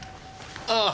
ああ！